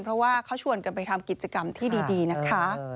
เพราะว่าเขาชวนกันไปทำกิจกรรมที่ดีนะคะ